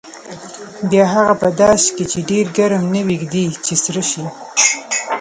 بیا هغه په داش کې چې ډېر ګرم نه وي ږدي چې سره شي.